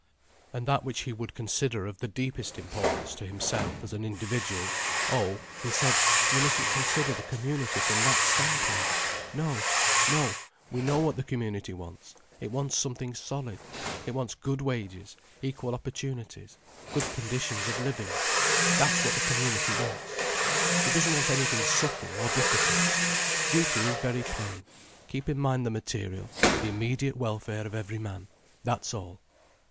And that which he would consider of the deepest importance to himself as an individual—oh, he said, you mustn't consider the community from that standpoint. No—no—we know what the community wants; it wants something solid, it wants good wages, equal opportunities, good conditions of living, that's what the community wants. It doesn't want anything subtle or difficult. Duty is very plain—keep in mind the material, the immediate welfare of every man, that's all.